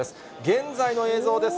現在の映像です。